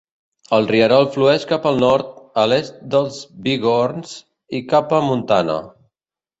El rierol flueix cap al nord, a l'est dels Bighorns, i cap a Montana.